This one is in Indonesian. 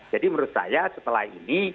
jadi menurut saya setelah ini